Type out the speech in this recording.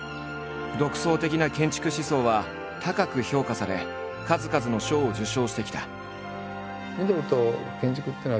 独創的な建築思想は高く評価され数々の賞を受賞してきた。